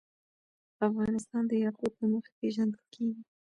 افغانستان د یاقوت له مخې پېژندل کېږي.